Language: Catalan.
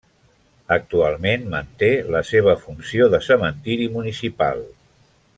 Actualment manté la seva funció de cementiri municipal.